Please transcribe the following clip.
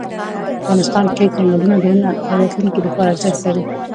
افغانستان کې چنګلونه د نن او راتلونکي لپاره ارزښت لري.